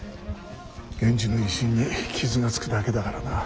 源氏の威信に傷がつくだけだからな。